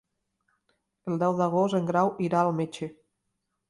El deu d'agost en Grau irà al metge.